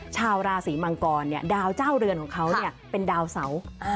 ชาวราศีมังกรดาวเจ้าเรือนของเขาเป็นดาวเสา